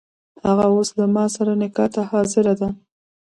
هغه اوس له ماسره نکاح ته حاضره ده.